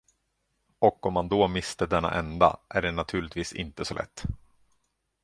Och om man då mister denna enda, är det naturligtvis inte så lätt.